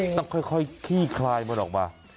ต้องค่อยขี้คลายมันออกมา